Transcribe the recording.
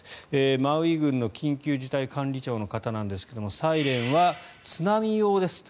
マウイ郡の緊急事態管理庁の方なんですがサイレンは津波用ですと。